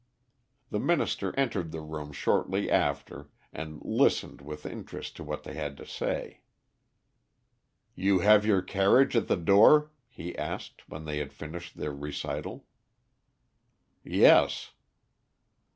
The Minister entered the room shortly after, and listened with interest to what they had to say. "You have your carriage at the door?" he asked, when they had finished their recital. "Yes."